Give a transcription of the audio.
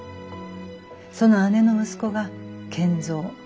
その姉の息子が賢三。